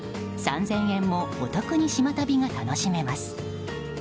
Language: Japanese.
３０００円もお得に島旅が楽しめます。